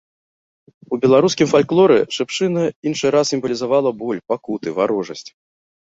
У беларускім фальклоры шыпшына іншы раз сімвалізавала боль, пакуты, варожасць.